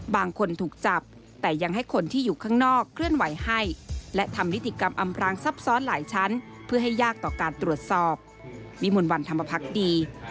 บางคนถูกจับแต่ยังให้คนที่อยู่ข้างนอกเคลื่อนไหวให้